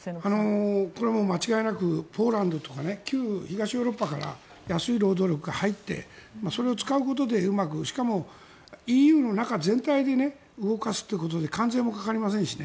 これ、間違いなくポーランドとか旧東ヨーロッパから安い労働力が入ってそれを使うことでうまくしかもＥＵの中全体で動かすということで関税もかかりませんしね。